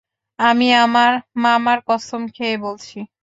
আমি আমার মামার কসম খেয়ে বলছি।